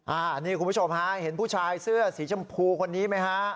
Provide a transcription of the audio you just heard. อันนี้คุณผู้ชมฮะเห็นผู้ชายเสื้อสีชมพูคนนี้ไหมฮะ